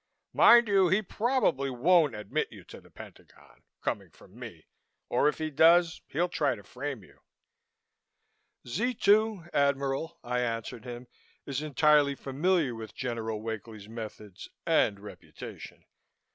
Mind you, he probably won't admit you to the Pentagon, coming from me, or if he does he'll try to frame you " "Z 2, Admiral," I answered him, "is entirely familiar with General Wakely's methods and reputation.